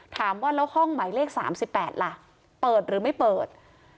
ถามว่าแล้วห้องหมายเลข๓๘ล่ะเปิดหรือไม่เปิด